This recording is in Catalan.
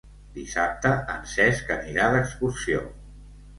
Dissabte en Cesc anirà d'excursió.